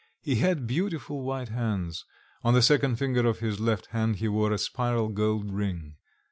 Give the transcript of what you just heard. He had beautiful white hands; on the second finger of his left hand he wore a spiral gold ring.